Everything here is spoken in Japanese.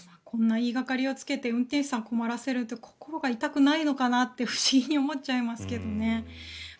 こんな言いがかりをつけて運転手さんを困らせて心が痛くないのかなって不思議に思っちゃいますけどね。